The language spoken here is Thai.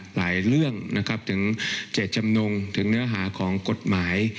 หลายเรื่องนะครับถึงเจตจำนงถึงเนื้อหาของกฎหมาย